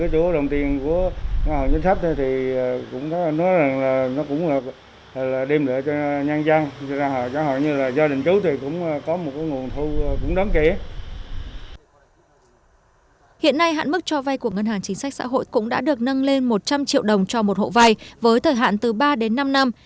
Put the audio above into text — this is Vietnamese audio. hiện nay hạn mức cho vay của ngân hàng chính sách xã hội cũng đã được nâng lên một trăm linh triệu đồng cho một hộ vay với thời hạn từ ba đến năm năm